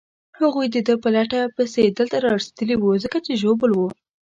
هغوی د ده په لټه پسې دلته رارسېدلي وو، ځکه چې ژوبل وو.